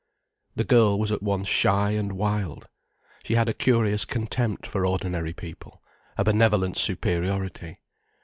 The girl was at once shy and wild. She had a curious contempt for ordinary people, a benevolent superiority.